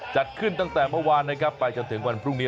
จัดขึ้นตั้งแต่เมื่อวานนะครับไปจนถึงวันพรุ่งนี้